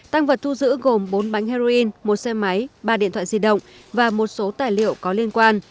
tăng vật thu giữ gồm bốn bánh heroin một xe máy ba điện thoại di động và một số tài liệu có liên quan